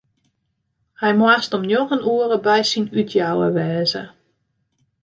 Hy moast om njoggen oere by syn útjouwer wêze.